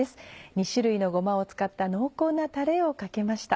２種類のごまを使った濃厚なたれをかけました。